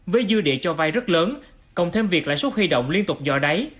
với dư địa cho vay rất lớn cộng thêm việc lãi suất huy động liên tục dò đáy